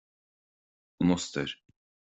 An Ostair